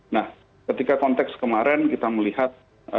nah ketika konteks kemarin kita melihat